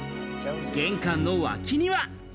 玄関の脇には。